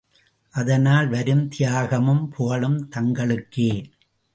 அதனால் வரும் தியாகமும் புகழும் தங்களுக்கே!